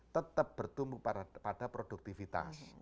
tetap bertumbuh pada produktivitas